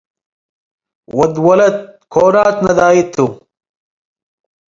ወድ ወለት ኮናት ነዳይት ቱ።'